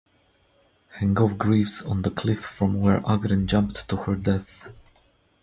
Hengov grieves on the cliff from where Agrin jumped to her death.